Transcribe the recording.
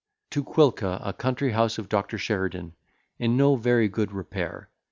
TO QUILCA A COUNTRY HOUSE OF DR. SHERIDAN, IN NO VERY GOOD REPAIR.